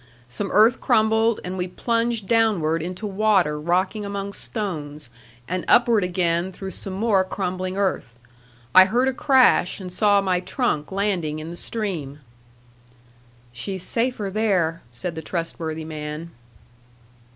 Some earth crumbled, and we plunged downward into water rocking among stones, and upward again through some more crumbling earth. I heard a crash, and saw my trunk landing in the stream. "She's safer there," said the trustworthy man.